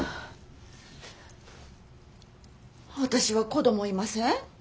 私は子供いません。